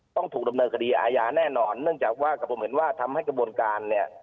ต้องถูกดำเนินคดีอาญาแน่นอนเนื่องจากว่ากับผมเห็นว่าทำให้กระบวนการเนี่ย